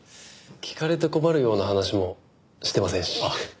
聞かれて困るような話もしてませんし。